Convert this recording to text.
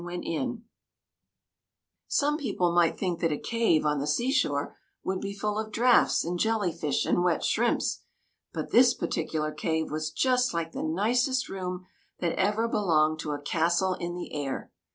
3 34 THE MAGICIAN'S TEA PARTY Some people might think that a cave on the sea shore would be full of draughts and jelly fish and wet shrimps ; but this particular cave was just like the nicest room that ever be longed to a castle in the air.